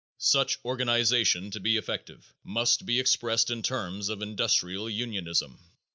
Such organization to be effective must be expressed in terms of industrial unionism.